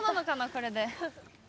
これで。